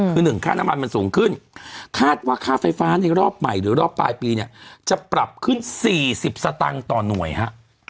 คือ๑ค่าน้ำมันมันสูงขึ้นคาดว่าค่าไฟฟ้าในรอบใหม่หรือรอบปลายปีเนี่ยจะปรับขึ้น๔๐สตางค์ต่อหน่วยฮะ